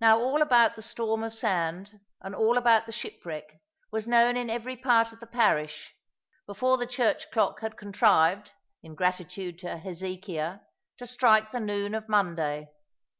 Now all about the storm of sand, and all about the shipwreck, was known in every part of the parish, before the church clock had contrived, in gratitude to Hezekiah, to strike the noon of Monday.